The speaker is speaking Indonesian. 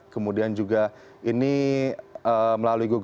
kemudian juga ini melalui google